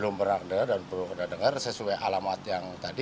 belum pernah ada dan belum kita dengar sesuai alamat yang tadi